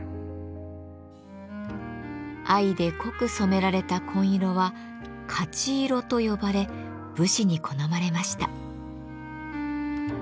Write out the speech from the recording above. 藍で濃く染められた紺色は「勝色」と呼ばれ武士に好まれました。